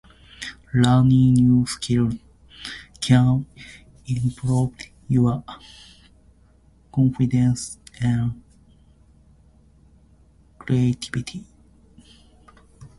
Learning new skills can improve your confidence and creativity.